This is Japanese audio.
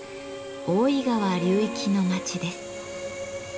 大井川流域の町です。